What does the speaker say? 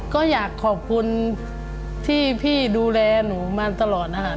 ก็อยากขอบคุณที่พี่ดูแลหนูมาตลอดนะคะ